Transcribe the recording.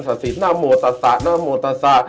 ถือทาง